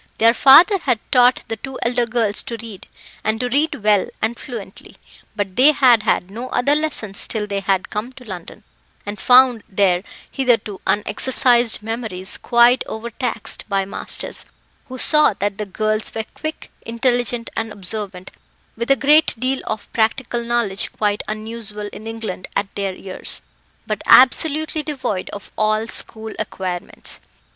Their father had taught the two elder girls to read, and to read well and fluently; but they had had no other lessons till they had come to London, and found their hitherto unexercised memories quite overtaxed by masters, who saw that the girls were quick, intelligent, and observant, with a great deal of practical knowledge quite unusual in England at their years, but absolutely devoid of all school acquirements.